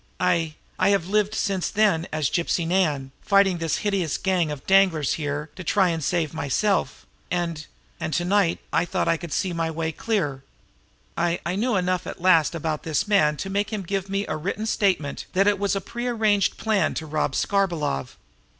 I I have lived since then as Gypsy Nan, fighting this hideous gang of Danglar's here to try and save myself, and and to night I thought I could see my way clear. I I knew enough at last about this man to make him give me a written statement that it was a pre arranged plan to rob Skarbolov.